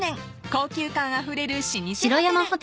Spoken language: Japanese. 高級感あふれる老舗ホテル］